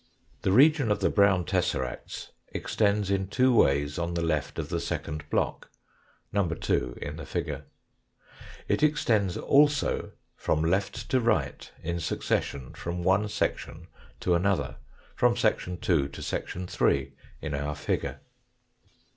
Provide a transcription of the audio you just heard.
The region of the brown tesseracts extends in two ways on the left of the second block, No. 2 in the figure. It extends also from left to right in succession from one section to another, from section 2 to section 3 in our figure.